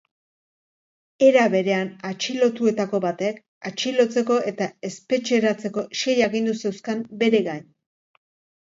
Era berean, atxilotuetako batek atxilotzeko eta espetxeratzeko sei agindu zeuzkan bere gain.